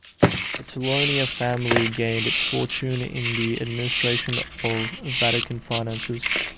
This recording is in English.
The Torlonia family gained its fortune in the administration of Vatican finances.